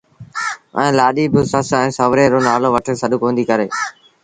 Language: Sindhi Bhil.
ائيٚݩ لآڏيٚ بآ سس ائيٚݩ سُوري رو نآلو وٺي سڏ ڪونديٚ ڪري